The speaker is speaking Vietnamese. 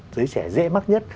dưới trẻ dễ mắc nhất